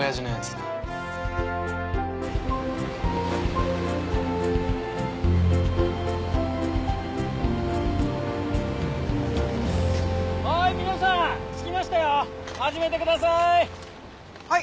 はい皆さん着きましたよ。始めてください。